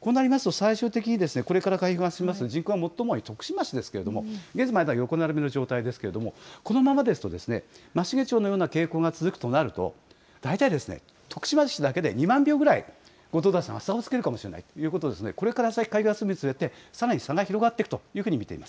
こうなりますと、最終的にこれから開票が進みます人口が最も多い徳島市ですけれども、現在、まだ横並びの状態ですけれども、このままですと、松茂町のような傾向が続くとなると、大体、徳島市だけで２万票ぐらい、後藤田さんが差をつけるかもしれないということで、これから先、開票が進むにつれて、さらに差が広がっていくというふうに見ています。